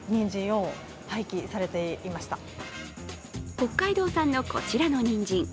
北海道産のこちらのにんじん。